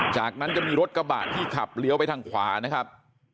จากนั้นจะมีรถกระบะที่ขับเลี้ยวไปทางขวานะครับ